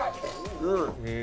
うん。